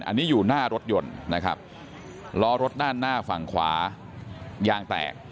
อันนี้อยู่หน้ารถยนต์นะครับล้อรถด้านหน้าฝั่งขวายางแตก